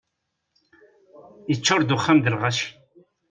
Yeččur-d uxxam d lɣaci.